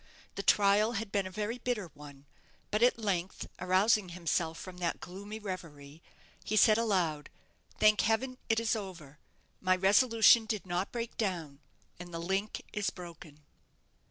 The trial had been a very bitter one; but at length, arousing himself from that gloomy reverie, he said aloud, "Thank Heaven it is over; my resolution did not break down, and the link is broken."